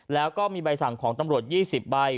แล้วก็มีใบสั่งของตำรวจ๒๐ใบ